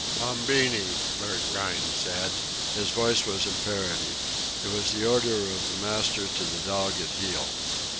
"Bombini!" Bert Rhine said. His voice was imperative. It was the order of a master to the dog at heel.